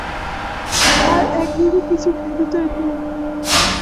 আর একদমই কিছু খেতে চান না।